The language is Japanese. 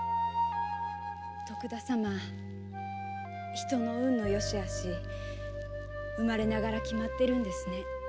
人の運の善し悪し生まれながら決まってるんですね。